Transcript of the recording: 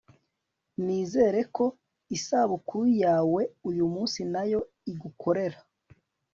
nizere ko isabukuru yawe uyumunsi nayo igukorera